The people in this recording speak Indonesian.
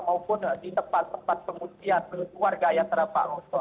maupun di tempat tempat pengusian keluarga yang terdapat longsor